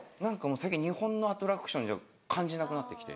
最近日本のアトラクションじゃ感じなくなってきて。